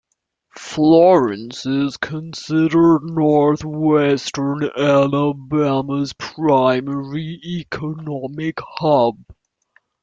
Florence is considered northwestern Alabama's primary economic hub.